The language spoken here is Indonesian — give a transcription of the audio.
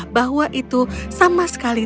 herba tidak mendengarkan